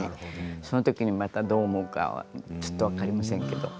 そのときにまたどう思うかはちょっと分かりませんけど。